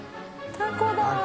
タコだ。